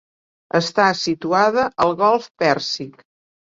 Està situada al golf Pèrsic.